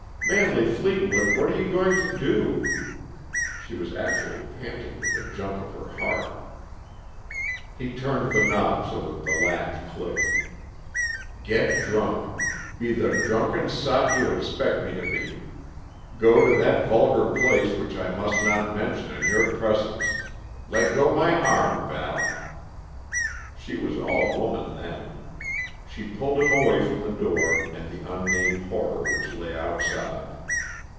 "Manley Fleetwood, what are you going to do?" She was actually panting with the jump of her heart. He turned the knob, so that the latch clicked. "Get drunk. Be the drunken sot you expect me to be. Go to that vulgar place which I must not mention in your presence. Let go my arm, Val." She was all woman, then. She pulled him away from the door and the unnamed horror which lay outside.